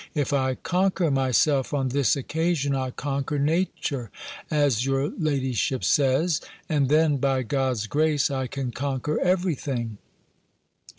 If I conquer myself on this occasion, I conquer nature, as your ladyship says: and then, by God's grace, I can conquer every thing.